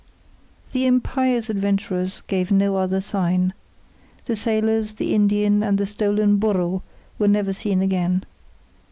The impious adventurers gave no other sign. The sailors, the Indian, and the stolen burro were never seen again.